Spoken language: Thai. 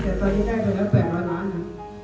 แต่ตอนนี้ได้เท่านั้น๘๐๐ล้านนะ